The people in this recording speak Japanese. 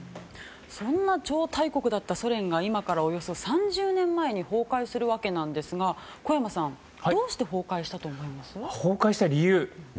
そんな超大国だったソ連が今からおよそ３０年前に崩壊するわけなんですが小山さんどうして崩壊したと思います？